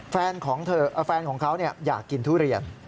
แฟนของเขาอยากกินทุเรียน